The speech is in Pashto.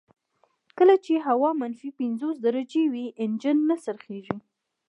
کله چې هوا منفي پنځوس درجې وي انجن نه څرخیږي